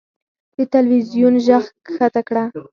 د تلوېزون ږغ کښته کړه .